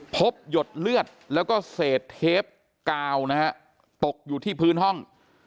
หยดเลือดแล้วก็เศษเทปกาวนะฮะตกอยู่ที่พื้นห้อง